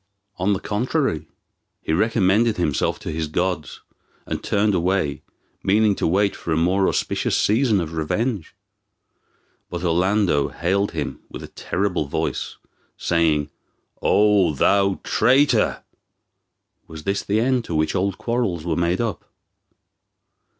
On the contrary, he recommended himself to his gods, and turned away, meaning to wait for a more auspicious season of revenge. But Orlando hailed him with a terrible voice, saying, "O thou traitor! was this the end to which old quarrels were made up?"